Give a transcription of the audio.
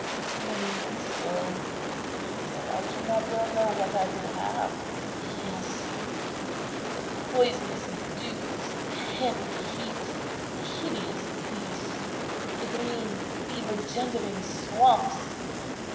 "It may be so," she said; "I do not well know what I would have. Yes, the poisonous dews, the heavy heat, the hideous beasts, the green fever gendering swamps.